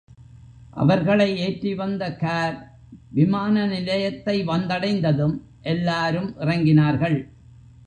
அவர்களை ஏற்றி வந்த கார் விமான நிலையத்தை வந்தடைந்ததும், எல்லாரும் இறங்கினார்கள்.